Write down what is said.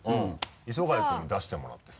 磯貝君に出してもらってさ。